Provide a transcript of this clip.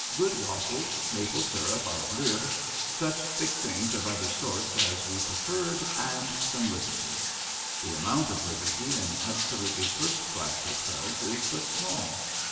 Good waffles, maple syrup ad lib., such fixings of other sorts as we preferred, and some liberty. The amount of liberty in absolutely first class hotels is but small.